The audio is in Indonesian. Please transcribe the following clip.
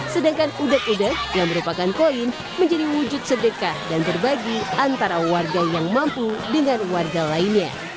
sedangkan udek udek yang merupakan koin menjadi wujud sedekah dan berbagi antara warga yang mampu dengan warga lainnya